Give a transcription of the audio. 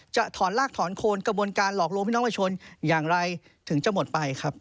จะถอนลากถอนโคนกระบวนการหลอกลวงพี่น้องประชาชนอย่างไรถึงจะหมดไปครับ